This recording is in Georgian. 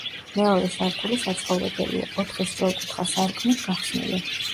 მეორე სართული საცხოვრებელია, ოთხი სწორკუთხა სარკმლით გახსნილი.